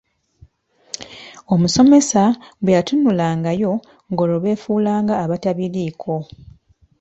Omusomesa bwe yatunulangayo olwo nga befuula nga abatabiriiko.